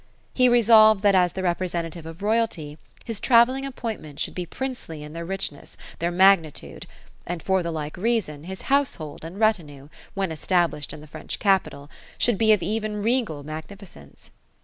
He resolved that as the representative of royalty, his travelling appointments should be princely in their richness, their magnitude ; and for the like reason, his household and retinue, when established in the French capital, should be of even regal magnificence.